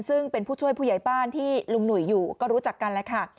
ซึ่งเป็นผู้ช่วยผู้ใหญ่บ้านที่ลุงหนุ่ยอยู่ก็รู้จักกันแล้วค่ะ